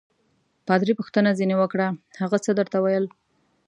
پادري پوښتنه ځینې وکړه: هغه څه درته ویل؟